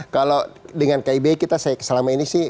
kalau dengan kib kita selama ini sih